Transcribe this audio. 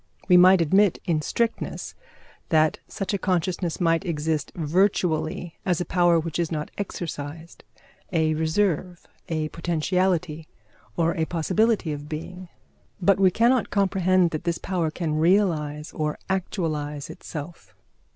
We might admit, in strictness, that such a consciousness might exist virtually as a power which is not exercised, a reserve, a potentiality, or a possibility of being; but we cannot comprehend that this power can realise or actualize itself.